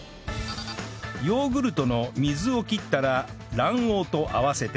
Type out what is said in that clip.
ヨーグルトの水を切ったら卵黄と合わせて